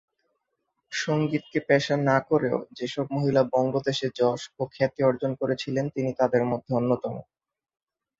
সঙ্গীতকে পেশা না করেও যেসব মহিলা বঙ্গদেশে যশ ও খ্যাতি অর্জন করেছিলেন তিনি তাঁদের মধ্যে অন্যতম।